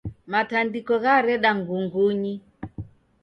Mtandiko ghareda ngungunyi.